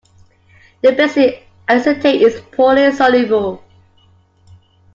The basic acetate is poorly soluble.